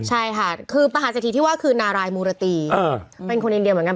ใช่ค่ะคือมหาเศรษฐีที่ว่าคือนารายมูรตีเป็นคนอินเดียเหมือนกัน